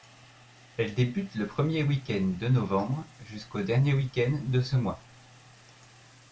Elle débute le premier week-end de novembre jusqu'au dernier week-end de ce mois.